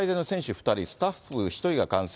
２人、スタッフ１人が感染。